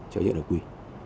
cho những đồng quy